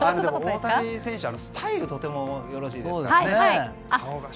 大谷選手はスタイルとてもよろしいですから。